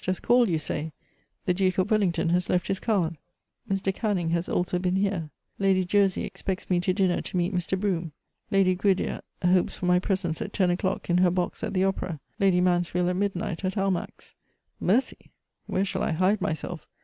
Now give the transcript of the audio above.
just called, you say ; the Duke of Wellington has left his card ; Mr. Canning has also been here ; Lady Jersey expects me to dinner to meet Mr. Brougham ; Lady Gwydir hopes for my presence at ten o'clock, in her box at the opera ; Lady Mansfield, at midnight, at Almack's. Mercy ! where shall I hide myself